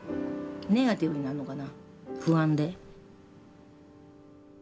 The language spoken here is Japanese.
ネガティブになんのかな不安で。